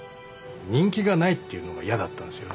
人気がないっていうのが嫌だったんですよ。